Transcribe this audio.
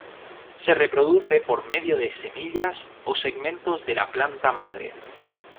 Se reproduce por medio de semillas o segmentos de la planta madre.